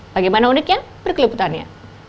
bagaimana uniknya berkeliputannya